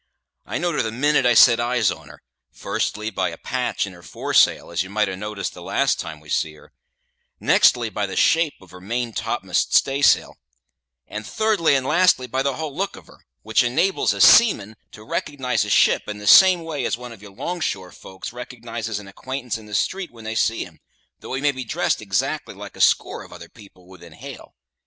I knowed her the minute I set eyes on her: firstly, by a patch in her foresail, as you might ha' noticed the last time we see her; nextly, by the shape of her main topmast staysail; and, thirdly and lastly, by the whull look of her, which enables a seaman to recognise a ship in the same way as one of your 'long shore folks recognises an acquaintance in the street when they see him, though he may be dressed exactly like a score of other people within hail.